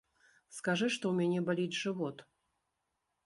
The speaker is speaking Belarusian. Скажы, што ў мяне баліць жывот.